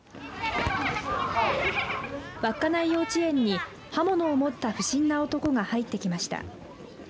稚内幼稚園に刃物を持った不審な男が入ってきました。